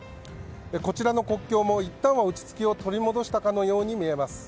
こちらの国境もいったんは落ち着きを取り戻したかのように見えます。